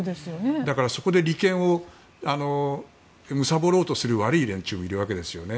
だから、そこで利権をむさぼろうとする悪い連中もいるわけですよね。